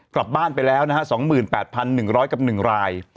กลับบ้านไปแล้วนะฮะ๒๘๑๐๐กับ๑ราย